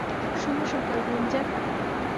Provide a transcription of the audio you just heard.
শুভ সকাল, গুঞ্জান!